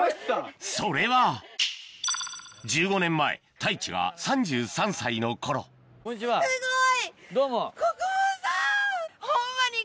それは１５年前太一が３３歳の頃どうも。